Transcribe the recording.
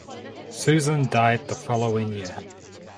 Susan died the following year.